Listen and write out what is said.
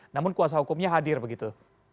namun kuasa hukumnya hadir begitu